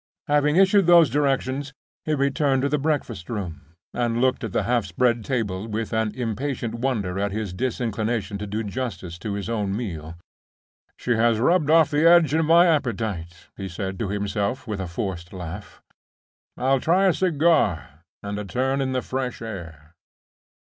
Having issued those directions, he returned to the breakfast room, and looked at the half spread table with an impatient wonder at his disinclination to do justice to his own meal. "She has rubbed off the edge of my appetite," he said to himself, with a forced laugh. "I'll try a cigar, and a turn in the fresh air."